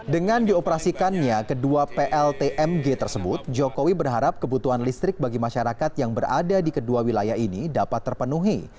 dengan dioperasikannya kedua pltmg tersebut jokowi berharap kebutuhan listrik bagi masyarakat yang berada di kedua wilayah ini dapat terpenuhi